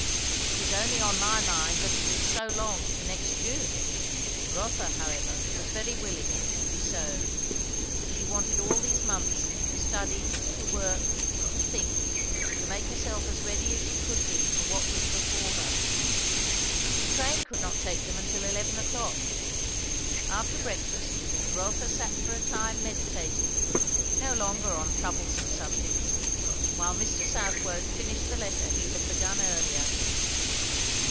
It is only on my mind that it is so long to next June!" Rotha however was very willing it should be so. She wanted all these months, to study, to work, to think, to make herself as ready as she could be for what was before her. The train could not take them until eleven o'clock. After breakfast Rotha sat for a time meditating, no longer on troublesome subjects, while Mr. Southwode finished the letter he had begun earlier.